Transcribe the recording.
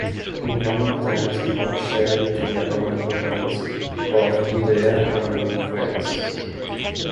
In Roman times it was shared between the Roman provinces of Judaea and Phoenice.